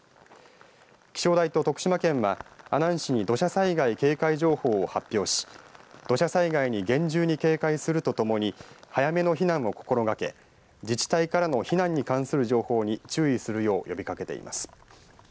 気象台と徳島県は、阿南市に土砂災害警戒情報を発表し土砂災害に厳重に警戒するとともに早めの避難を心がけ自治体からの避難に関する情報に注意するよう呼びかけています。